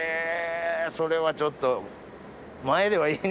それはちょっと。